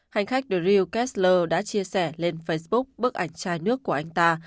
hành khách drew kessler đã chia sẻ lên facebook bức ảnh chai nước của anh ta